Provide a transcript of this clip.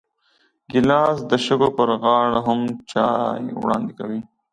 ګیلاس د شګو پر غاړه هم چای وړاندې کوي.